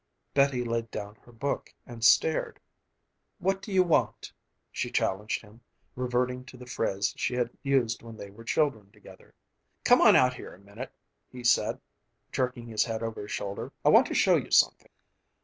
Betty laid down her book and stared. "What you want?" she challenged him, reverting to the phrase she had used when they were children together. "Come on out here a minute!" he said, jerking his head over his shoulder. "I want to show you something."